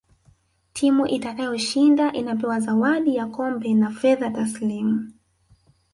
timu itakayoshinda inapewa zawadi ya kombe na fedha tasilimu